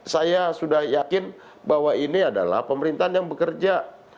saya sudah yakin bahwa ini adalah pemerintahan yang bekerja